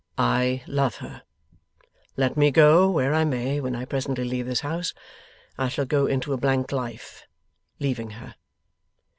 I love her. Let me go where I may when I presently leave this house, I shall go into a blank life, leaving her.